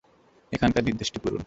এখানকার নির্দেশনাটা দেখুন।